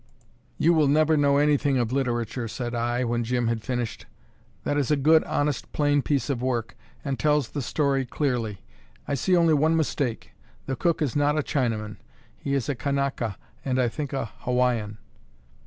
"You will never know anything of literature," said I, when Jim had finished. "That is a good, honest, plain piece of work, and tells the story clearly. I see only one mistake: the cook is not a Chinaman; he is a Kanaka, and I think a Hawaiian."